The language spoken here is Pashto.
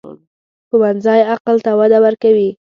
ښوونځی عقل ته وده ورکوي